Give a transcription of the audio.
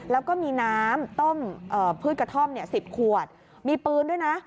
แล้วก็มีน้ำต้มพืชกระท่อม๑๐ขวดมีปืนด้วยนะ